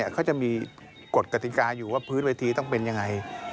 เขาจะมีกฎกติกาอยู่ว่าพื้นเวทีต้องเป็นยังไง